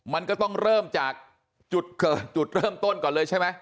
มันก็ต้องเริ่มจากจุดเกิดจุดเริ่มต้นก่อนเลยใช่ไหม